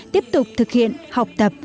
tiếp tục thực hiện học tập